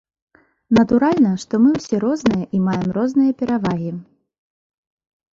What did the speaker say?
Натуральна, што мы ўсе розныя і маем розныя перавагі.